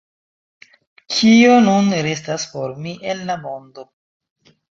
Kio nun restas por mi en la mondo?